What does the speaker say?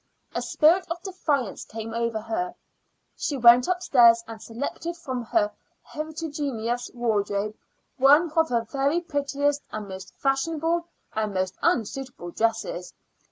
A spirit of defiance came over her. She went upstairs and selected from her heterogeneous wardrobe one of her very prettiest and most fashionable and most unsuitable dresses.